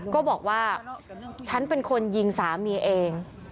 ก็บอกว่าฉันเป็นคนยิงสามีเอง